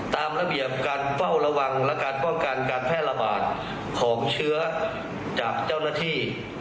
ตามระเบียบการเฝ้าระวังและการป้องกันการแพร่ระบาดของเชื้อจากเจ้าหน้าที่